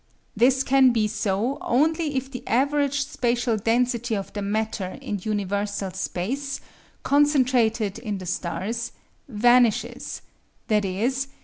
This can be so only if the average spatial density of the matter in universal space, concentrated in the stars, vanishes, i.e.